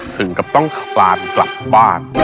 ถึงกับต้องคลานกลับบ้าน